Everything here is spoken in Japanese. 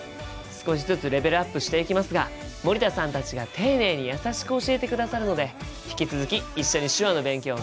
少しずつレベルアップしていきますが森田さんたちが丁寧に優しく教えてくださるので引き続き一緒に手話の勉強頑張りましょうね！